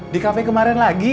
di cafe kemarin lagi